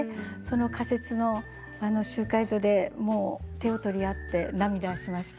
仮設の集会所で手を取り合って涙しました。